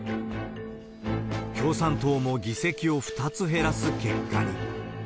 共産党も議席を２つ減らす結果に。